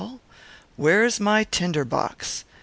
where is my tinder box?"